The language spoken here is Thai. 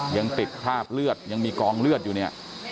ยังติดคราบเลือดยังมีกองเลือดอยู่เนี่ย